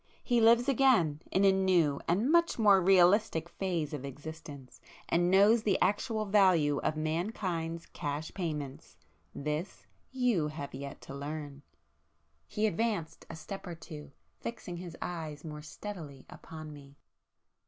He lives again in a new and much more realistic phase of existence, and knows the actual value of mankind's cash payments! This you have yet to learn!" He advanced a step or two, fixing his eyes more steadily upon me.